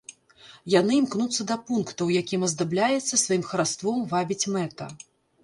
Яны імкнуцца да пункта, у якім аздабляецца, сваім хараством вабіць мэта.